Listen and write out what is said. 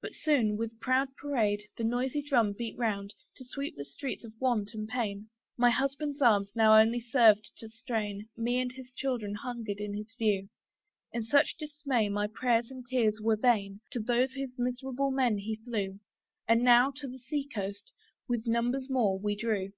But soon, with proud parade, the noisy drum Beat round, to sweep the streets of want and pain. My husband's arms now only served to strain Me and his children hungering in his view: In such dismay my prayers and tears were vain: To join those miserable men he flew; And now to the sea coast, with numbers more, we drew.